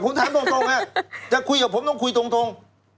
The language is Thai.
ผมถามตรงจะคุยกับผมต้องคุยตรง